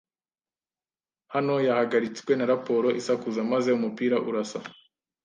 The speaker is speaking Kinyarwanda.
Hano yahagaritswe na raporo isakuza, maze umupira urasa